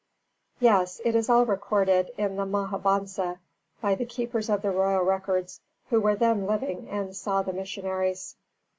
Yes, it is all recorded in the Mahāvansa, by the keepers of the royal records, who were then living and saw the missionaries.